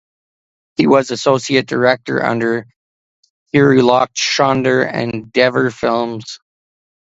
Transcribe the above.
He was associate director under Tirulokchandar and Dever films.